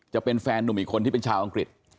จะเป็นแฟนนุ่มอีกคนที่เป็นชาวอังกฤษ